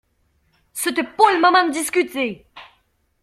C’était pas le moment de discuter.